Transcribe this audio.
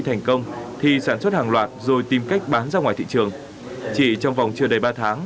thành công thì sản xuất hàng loạt rồi tìm cách bán ra ngoài thị trường chỉ trong vòng chưa đầy ba tháng